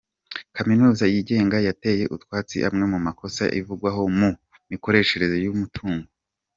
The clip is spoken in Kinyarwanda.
Kaminuza yigenga yateye utwatsi amwe mu makosa ivugwaho mu mikoreshereze y’umutungo